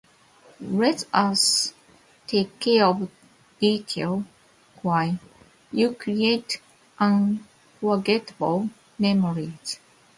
Let us take care of the details while you create unforgettable memories.